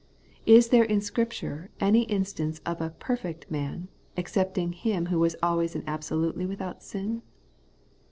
Is there in Scripture any instance of a perfect man, excepting Him who was always and absolutely without sin